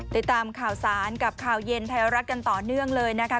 ติดตามข่าวสารกับข่าวเย็นไทยรัฐกันต่อเนื่องเลยนะคะ